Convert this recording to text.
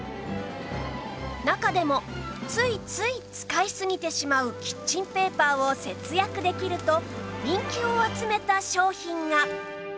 中でもついつい使いすぎてしまうキッチンペーパーを節約できると人気を集めた商品が